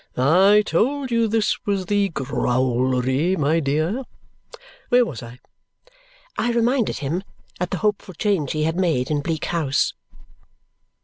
"I told you this was the growlery, my dear. Where was I?" I reminded him, at the hopeful change he had made in Bleak House.